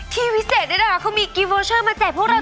ที่วิเศษได้นะคะเค้ามีกิโลเวอร์เชิงมาแจ่พวกเรา